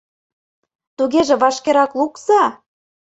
— Тугеже вашкерак лукса.